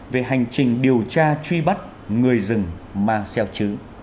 về hành trình điều tra truy bắt người rừng ma seo chứ